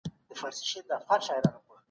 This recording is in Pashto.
حقایقو ته غاړه کښيږدئ.